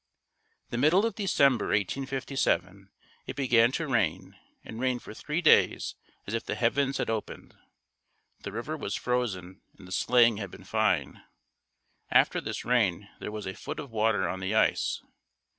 The middle of December 1857, it began to rain and rained for three days as if the heavens had opened. The river was frozen and the sleighing had been fine. After this rain there was a foot of water on the ice.